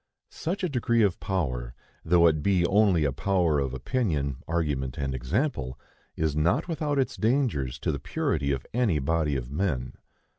Such a degree of power, though it be only a power of opinion, argument and example, is not without its dangers to the purity of any body of men.